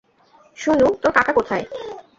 সোনু, তোর কাকা কোথায়?